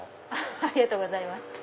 ありがとうございます。